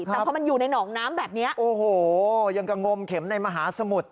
ครับเพราะมันอยู่ในหนองน้ำแบบเนี้ยโอ้โหอย่างกับงมเข็มในมหาสมุทร